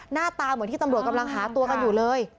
หน้าตาเหมือนที่ตำรวจกำลังหาตัวกันอยู่เลย